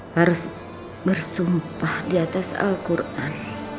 harus bersumpah diatas al quran